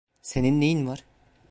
Senin neyin var?